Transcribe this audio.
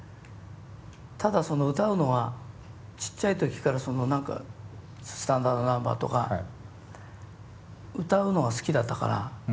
ただその歌うのはちっちゃい時からその何かスタンダードナンバーとか歌うのは好きだったから。